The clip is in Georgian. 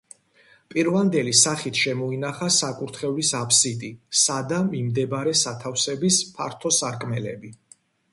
პირვანდელი სახით შემოინახა საკურთხევლის აფსიდი სადა მიმდებარე სათავსების ფართო სარკმელები.